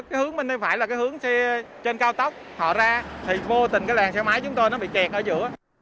cái hướng bên tay phải là cái hướng xe trên cao tốc họ ra thì vô tình cái làn xe máy chúng tôi nó bị kẹt ở giữa